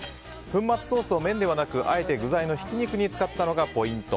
粉末ソースを麺ではなくあえて具材のひき肉に使ったのがポイント。